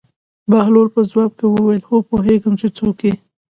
بهلول په ځواب کې وویل: هو پوهېږم چې څوک یې.